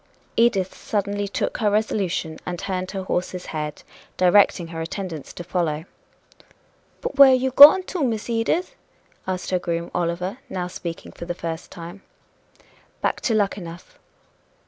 Edith suddenly took her resolution, and turned her horse's head, directing her attendants to follow. "But where are you going to go, Miss Edith?" asked her groom, Oliver, now speaking for the first time. "Back to Luckenough."